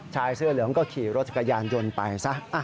ชายเสื้อเหลืองก็ขี่รถจักรยานยนต์ไปซะ